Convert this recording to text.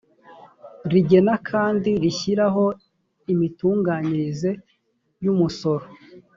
rigena kandi rishyiraho imitunganyirize y umusoro